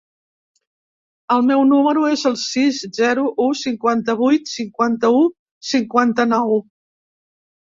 El meu número es el sis, zero, u, cinquanta-vuit, cinquanta-u, cinquanta-nou.